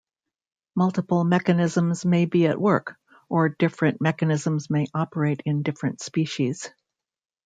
Multiple mechanisms may be at work, or different mechanisms may operate in different species.